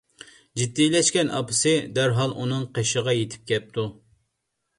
جىددىيلەشكەن ئاپىسى دەرھال ئۇنىڭ قېشىغا يېتىپ كەپتۇ.